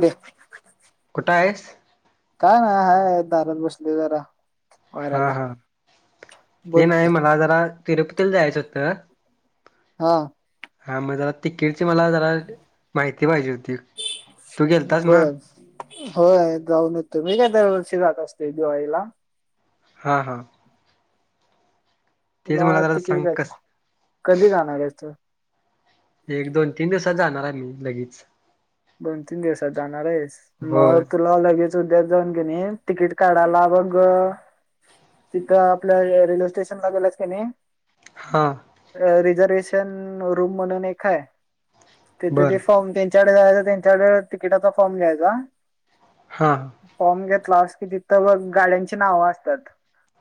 रे [inaudible] कुठं आहेस? काय नाही हाय दारत बसलोय जरा. हा वाऱ्याला हा ते बोल की. नाही मला जरा तिरूपतीला जायचं होतं. हा. हा मग जरा तिकीटची मला जरा माहिती पाहिजे हो बर होय जाऊन येतो मी काय दर वर्षी जात असते दिवाळीला. हा हा. तेच तुला मला जरा सांग तिकीट, कस कधी जाणार आहेस तू. एक दोन तीन दिवसात जाणार आहे मी लगेच. दोन तीन दिवसात जाणार आहेस मग होय. तुला लगेच उद्या जाऊन कणी तिकीट काढाला बघ. तिथं आपल्या रेल्वे स्टेशन ला गेलाच का नाही. हा. अ रिझर्वेशन रूम म्हणून एक आहे. तिथ ते बरं. फॉर्म त्यांच्याकडे जायच त्यांच्याकडे तिकिटाचा फॉर्म घ्यायचा. हा. फॉर्म घेतला कि तिथं गाड्यांची नावं असतात.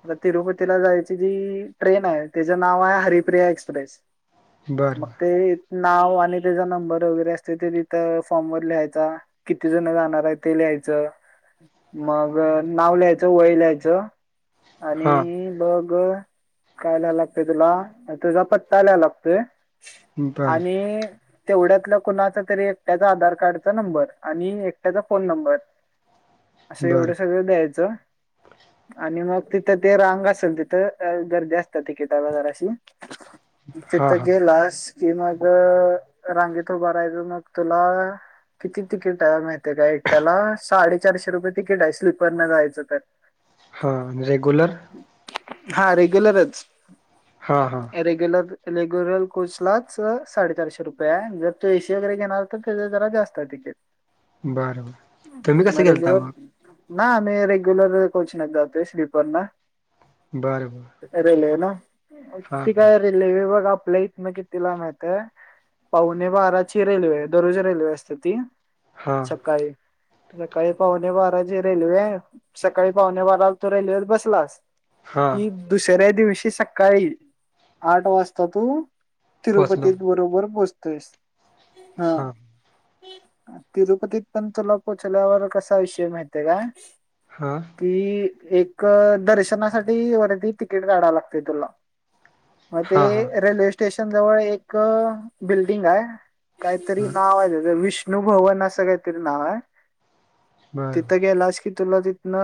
आता तिरुपतीला जायची जी ट्रेन आहे त्याचं नाव आहे हरिप्रिया एक्सप्रेस. मग बरं. ते नाव आणि त्याचा नंबर वगैरे असते ते तिथं फॉर्म वर लिहायचा किती जण जाणार आहे ते लिहायचं. मग नावल्याचं, वयल्याचं आणि हा. ब ग काय लिहायला लागतेय तुला. तूजा पत्ता लिहायला लागतोय. बरं. आणि तेवढ्यातलं कुणाच तरी एक ट्याचा आधार कार्डचा नंबर आणि एकट्याचा फोन नंबर. असं एवढं बरं. सगळं द्यायचं. आणि मग तिथं ते रांग असेल तिथं गर्दी असतात तिकिटाला जराशी. हा तिथ हा. गेलास की मग रांगेतो ब रायचं मग तुला किती तिकीट आहे माहतीय काय एकट्याला साडेचारशे रुपये तिकीट आहे स्लीपर न जायचं तर. हां रेगुलर हा रेग्युलरचं. हा हा. रेग्युलर लेग्युरल कोच लाच साडेचारशे रुपये जर तू एसी वगैरे घेणार तर जरा जास्त आहे तिकेट. बरं बरं. तुम्ही मग कसं गेलता रेग्युलर ना आम्ही रेग्युलर कोचन जातो स्लीपर नं बरं बरं. रेल्वे नं. हा ते हा. काय रेल्वे बघ आप ल्या इथनं कितीला माहिताय पावणे बाराची रेल्वे दररोजी रेल्वे असते ती हा. सकाळी. सकाळी पावणे बाराची रेल्वे आहे सकाळी पावणे बारा तो रेल्वेेत बसलास. हा. कि दुसऱ्या दिवशी सकाळी आठ वाजता तू तिरुपती पोचणार. बरोबर पोहोचतोयस हा. तिरुपतीत पण तुला पोहोचल्यावर कसा विषय माहतीय काय. हा. कि एक दर्शनासाठी वरती तिकीट काढाय लागतेय तुला. मग हा हा. ते रेल्वे स्टेशन जवळ एक बिल्डिंग आहे. काहीतरी बर नाव आहे विष्णू भवन असं काहीतरी नाव आहे बर तिथ गेलास कि तुला तिथन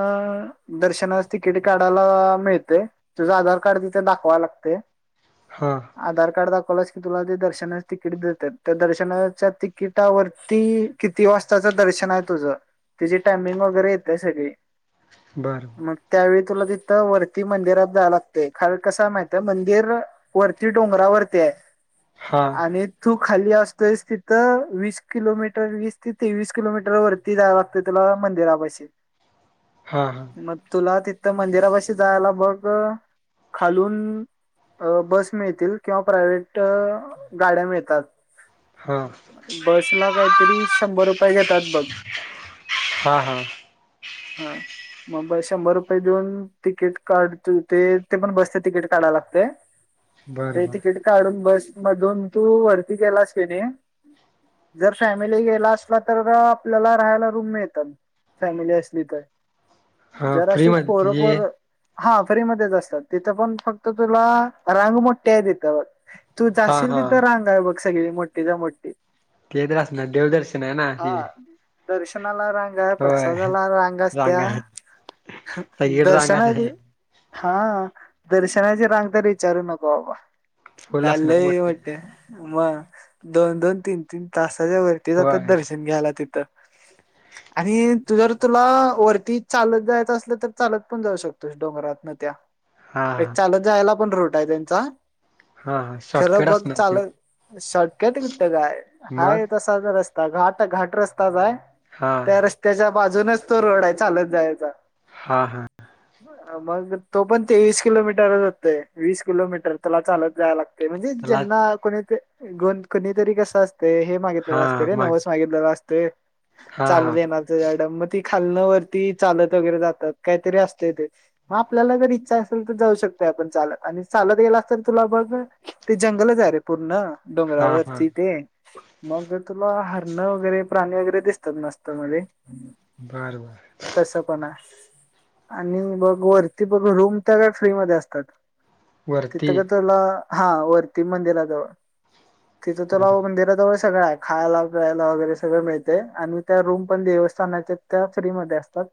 दर्शनास तिकीट काढायला मिळते तुझ आधार कार्ड तिथे दाख लागते हा आधार कार्ड दाखवलास की तुला ते दर्शनाची तिकीट देतात त्या दर्शनाच्या तिकिटावरती किती वाजताचं दर्शन आहे तुझं तची टायमिंग वगैरे येतय सगळी बर मग त्यावेळी तुला तिथं वरती मंदिरात जाय लागते ख कस माहित मंदिर वरती डोंगरावरती आहे हा आणि तू खाली असतोय त तर वीस किलोमीटर वीस ते तेवीस किलोमीटर वरती जाव लागतं तुला मंदिरापशी हा हा मग तुला तिथथं मंदिरापशी जायला बघ खालून बस मिळतील किंवा प्रायवेट गाड्या मिळतात हा बस ला काहीतरी शंभर रुपये घेतात बघ हा हा हा मग शंभर रुपये देऊन तिकीट काढत ते ते पण बसचे तिकीट काढा लागते बर ते बर तिकीट काढून बस मधून तू वरती केलास वि जर फॅमिली गेला असला तर आपल्याला राहायला रूम मिळत फॅमिली असली तर हा जर फ्री असे मध्ये परोपर हा फ्री मध्येच असतात तिथं पण फक्त तुला रांग मोठी आहे देत तू हा जाशील हा तिथं रांग आहे बघ सगळी मोठी जा मोठी ते मद्रास ना देवदर्शन आहे ना ती हा. दर्शनाला रांग आहे प्रसादाला रांग असत्या रांगा सगळीकडे रांगाच आहे दर्शनाची हा दर्शनाची रांग तररी विचारू नको बाबा फुल असणार चाललं मोठी वाटते मग दोन दोन तीन तीन तासाच्या वरती होय जातात दर्शन घ्यायला तिथं आणि तू जर तुला वरती चालत जायचं असल तर चालत पण जाऊ शकतोस डोंगरात न त्या हा एक चालत जायला पण रूट आहे त्यांचा हा हा खरं शॉर्टकट बघ असणार चाल त्यो शॉटकट काय मग हाये तसाच रस्ता घाट घाट रस्ताच आहे हा त्या रस्त्याच्या बाजूनच तो रोड आहे चालत जायचा हा हा मग तो पण तेवीस किलोमीटरच होतय वीस किलोमीटर तला चालत जायला लागत म्हणजे त्याला ज्यांना कोणीत गण कोणीतरी कस अस ते हे मागितलेलं हा असते रे मग नवच मागितलेलं असते हा चाल हा दे येणार चड मग त खालन वर ती चालत वगैरे जातात काहीतरी अस ते मग आपल्याला जर इच्छा असेल तर जाऊ शकत ण चाल आणि चालत गेला असत तुला बघ ते जंगलच आहे रे पूर्ण हा हा डोंगरावरती ते मग तुला अन्न वगैरे प्राणी वगैरे दिसतात मस्त मध्ये बर बर तस पण आहे आणि बघ वरती बघ रूम तर काय फ्री मध्ये असतात तिथं वरती का तुला हा वरती मंदिराजवळ. तिथ तुला बर मंदिराजवळचं सगळं आहे खायला प्यायला वगैरे सगळं मिळते आणि त्या रूम पण देवस्थानाच्या त्या फ्री मध्ये असतात.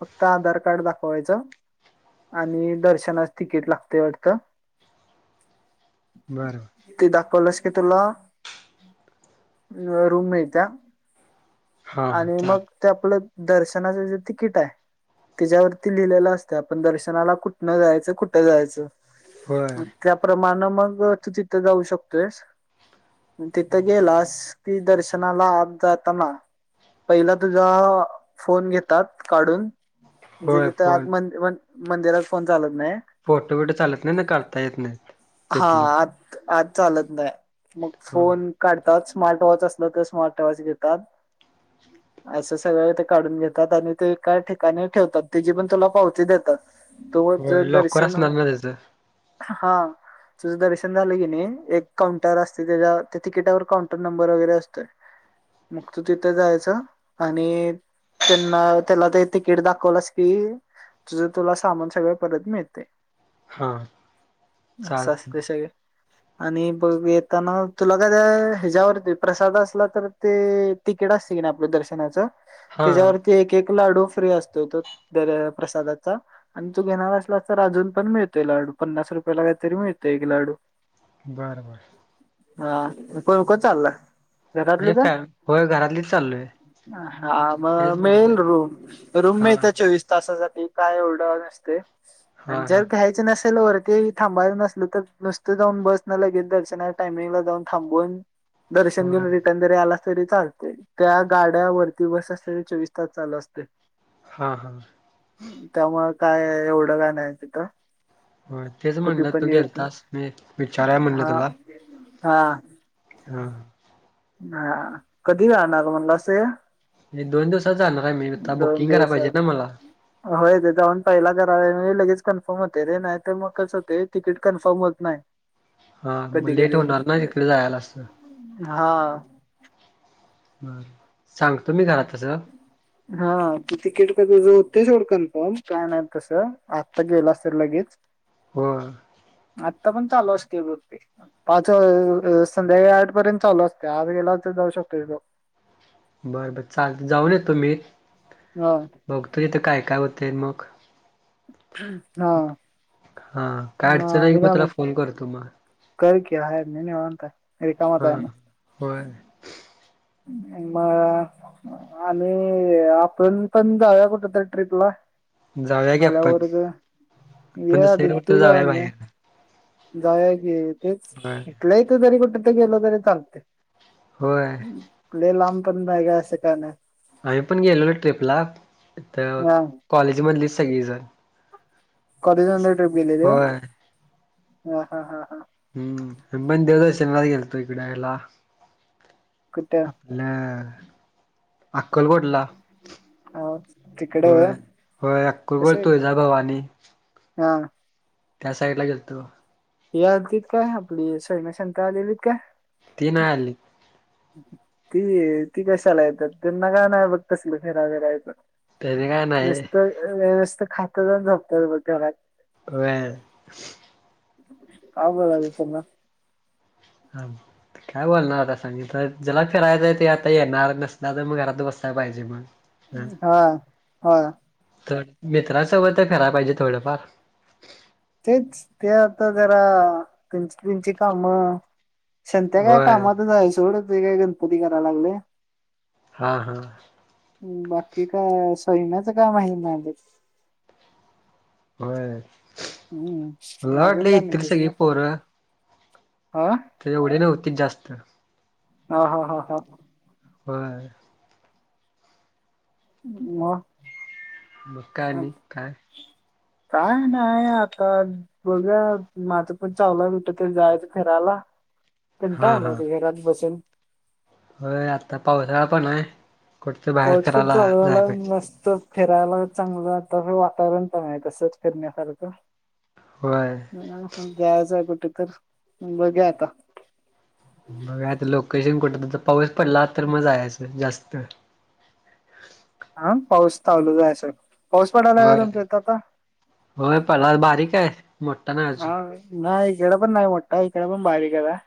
फक्त आधार कार्ड दाखवायचं. आणि दर्शनास तिकीट लागते वाटतं. बरं बरं ते दाखवलंस तुला रूम मिळत्या. हा हा आणि चाल मग ते आपलं दर्शनाच जे तिकीट आहे. त्याच्यावरती लिहिलेलं असत आपण दर्शनाला कुठनं जायचं कुठं जायचं. होय त्याप्रमाणे मग तू तिथं जाऊ शकतोयसं. तिथं गेलास की दर्शनाला आत जाताना. पहिला तुझा फोन घेतात काढून. म्हणजे होय तिथं फोन आत मध्ये मंदिरात फोन चालतं फोटो बिटो चालत नाही ना कढता येत नाहीत हा तिथले. आत आत चालत नाही मग होय फोन काढतात स्मार्ट वॉच असलं तर स्मार्ट वॉच घेतात. असं सगळं ते काढून घेतात आणि ते एका ठिकाणी ठेवतात तेची पण तुला पावती देतात. तोच ज होय लॉकर दर्शन. असणार ना त्याचं हा तुझं दर्शन झालं की नाही एक काउंट- असत्या त्या तिकीटवर काउंटर नंबर वगैरे असतं. मग तू तिथे जायचं आणि- त्यांना त्याला ते तिकीट दाखवलंस की. तुझं तुला सामान सगळं परत मिळते. हा असं चालतंय असते सगळे आणि बघ येताना तुला काय ह्याच्यावरती प्रसाद असला तर ते तिकीट असते की नाही आपलं दर्श- दर्शनाच हा त्याच्यावरती एक एक लाडू फ्री असतो तो दर प्रसादाचा आणि तू घेणार असलासं तर अजून पण मिळतोय लाडू. पन्नास रुपये ला काय तरी मिळतोय एक लाडू. बरं बरं हा को कोण कोण चालायं. अ फॅम होय घरातलीच चालोयं आहे. हा मगं मिळेल रूम रूम हा मिळत्या चोवीस तासासाठी ते काय एवढं नसते हा आणि हा जर घ्यायचं नस- ल वरती थांबायला नसल तर नुसत जाऊन बसं. लगेच दर्शना टामिंगला जाऊन थांबून दर्शन घेऊन होय रिटर्न जरी आला तरी चालते त्या गाड्यावरती बस असलेली चोवीस तास चालू असते. हा हा त्यामुळ काय एवढं कायं आहे तिथं होय तेच कधी म्हणलं तू पण येत गेलतास मी विचारूया म्हणलं हा तुला. हा. हा. हा कधी राहणार म्हणला असं. एक दोन दिवस. दोन दिवसात होयं तिथं पण पहिल्या गत लगेच कन्फर्म होते रे नाही तर मग कसं होते तिकीट कन्फर्म होत नाही. हा मग कधी लेट कधी होणार ना तिकडे जायला असं. हा. बरं सांगतो मी घरात तसं हा तिकीट ते तुझ होते सोड कन्फर्म प्लॅन आहे तसं आत्ता गेला तर लगेच. हो. आत्ता पण चालू असते बहुतेक पाच वाज संध्याकाळी आठ पर्यंत चालू असते आज गेला तरं जाऊ शकतोय तो बर, बर, चालत, जाऊन येतो मी हा बघ तो इथं काय? काय होतेय मग? हा हा काय मग अडचण आली, आणि मग काय तुला फोन करतो मग कर की, हाय मी निवांत हाय, रिकामाच हा हाय मग होय म आणि, आपण पण जाऊया, कुठं तरी ट्रीपला? जाऊया की आपण आल्यावरण, आपण येआधी दुसरीकडे तू कुठं जाऊया जाऊन य बाहेर जाऊया की, तेच होय इथल्या इथं जरी कुठेतरी गेलो, तरी चालतय होय लय लांब पण जाऊया, असं काय नाय आम्ही पण गेलोलो ट्रिपला, तर हा कॉलेजमधलीच सगळीजण कॉलेज नंतर ट्रिप गेलेली वय? होय हा, हा, हा हम्म, बंद दर्शनाला गेल्तो इकडे यायला कुठं आपल्या अक्कलकोटला हा, तिकडे होय व्हय, व्हय, अक्कलकोट, कसं तुळजाभवानी हा त्या साइडला गेलतो यादबीद काय आपली सैमा, शन्क्या आलेलीत काय ती नाय आली ती, ती कशाला येतात, त्यांना का नाय बघ तसलं फेराबिरायचं त्याने काय नाही नसत, अ नुसतं खात्यातन झोपतात, मग तेव्हड्यात व्हय आवघड आहे, पुन्हा हं, काय बोलणार आता सांग की, ज्याला फिरायचंय ते आता येणार, नसल्या तर मग घरात बस काय पाहिजे मग? ह हा, हा मित्रांसोबत तर कराय पाहिजे थोडंफार तेच ते, आता जरा त्यांची त्यांची कामं संत्या काय होय. कामातच आहे, सवड होते काय गणपती कराय लागले हा, हा बाकी काय, सैमा्याच का माहि नाहीले व्हय, मला वाटलं अजून काय नाही इतील तुझं सगळी मग पोरं हा तर, एवढे नव्हती जास्त हा, हा, हा, हा व्हय म मग काय, आनिक काय? काय नाय, आता बघा माझं पण चालू हाय, कुठंतरी जायचं फिरायला कंटाळा आला आता घरात बसून व्हय, आता पावसाळा पण आहे कुठत बाहेर पाऊस पण फिरायला चालू जाय झालाय, पाहिजे मस्त फिरायला चांगलं, आता बी वातावरण पण आहे तसंच फिरण्यासारखं होय. द्यायचंय कुठं तर, पण बघूया आता बघ आता, लोकेशन कुठं तुमचं, पाऊस पडला, तर म जायाचं जास्त तर हा, पाऊस चालूच हाय, असं पाऊस पडालाय का होय. तुमच्या इथं आता? होय पडला बारीक आहे मोठा नाही हा अजून. नाही इकडं पण नाही मोठ्ठा, इकडं पण बारीकच हाय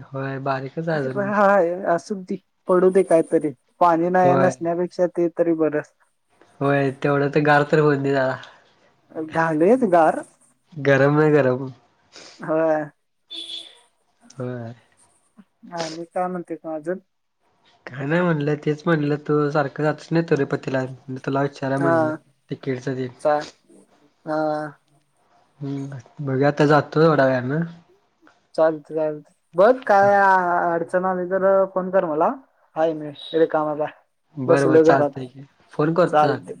व्हय, बा हा असू पडू दे कायतरी पाणी नाही होय नसण्यापेक्षा ते तरी बरं होय तेवढं ते गार तर होन दे जरा झालेयच गार गरम म गरम होय होय हा मी काय म्हणते त अजून काय नाही म्हणलंय तेच म्हणलं तो सारखं सारखं जातोस ना तिरुपतीला तुला विचारय हा म्हणलं तिकेडच दे चा हा हम् बघ्या आता जातो थोड्या वेळा न चालत चालत बघ काय अडचण तिकडन आल्यावर तर फोन कर मला आहे मी कामाला बरं बरं बसलो घरात चालतंय की फोन करतो हां चालते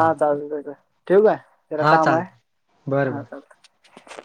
हां चालत. ठेवू काय जरा हां काम आहे चालतंय बरं बरं हा चालत.